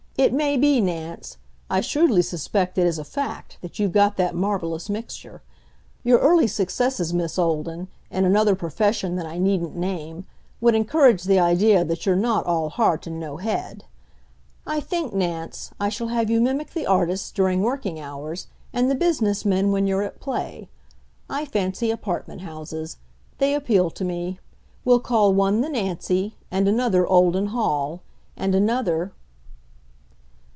It may be, Nance I shrewdly suspect it is a fact that you've got that marvelous mixture. Your early successes, Miss Olden, in another profession that I needn't name, would encourage the idea that you're not all heart and no head. I think, Nance, I shall have you mimic the artists during working hours and the business men when you're at play. I fancy apartment houses. They appeal to me. We'll call one 'The Nancy' and another 'Olden Hall' and another..."